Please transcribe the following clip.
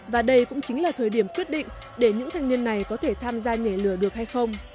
và đây cũng chính là thời điểm quyết định để những thanh niên này có thể tham gia nhảy lửa được hay không